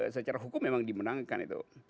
secara hukum memang dimenangkan itu